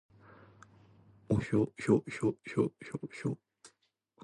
おひょひょひょひょひょひょ